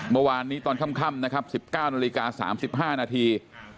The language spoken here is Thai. เมื่อวานนี้ตอนค่ำนะครับ๑๙นาฬิกา๓๕นาที